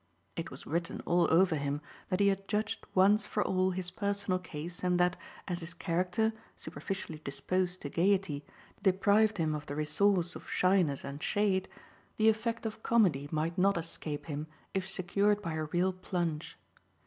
It was written all over him that he had judged once for all his personal case and that, as his character, superficially disposed to gaiety, deprived him of the resource of shyness and shade, the effect of comedy might not escape him if secured by a real plunge.